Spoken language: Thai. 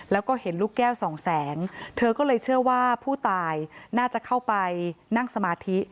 แล้วก็เห็นลูกแก้วสองแสงเธอก็เลยเชื่อว่าผู้ตายน่าจะเข้าไปนั่งสมาธิ